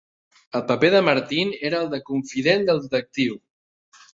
El paper de Martin era el de confident del detectiu.